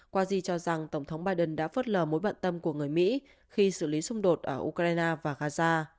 qua di cho rằng tổng thống biden đã phớt lờ mối bận tâm của người mỹ khi xử lý xung đột ở ukraine và gaza